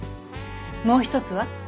もう一つは？